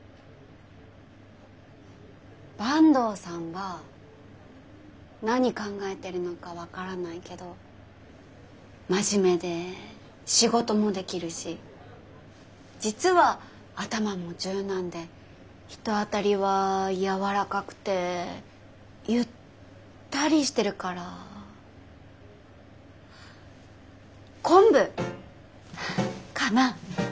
坂東さんは何考えてるのか分からないけど真面目で仕事もできるし実は頭も柔軟で人当たりは柔らかくてゆったりしてるから昆布かな。